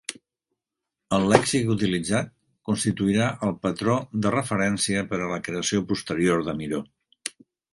El lèxic utilitzat constituirà el patró de referència per a la creació posterior de Miró.